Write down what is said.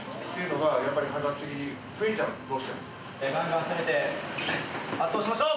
・がんがん攻めて圧倒しましょう！